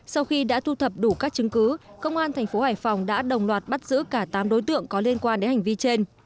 sau khi đã thu thập đủ các chứng cứ công an tp hải phòng đã đồng loạt bắt giữ cả tám đối tượng có liên quan đến hành vi trên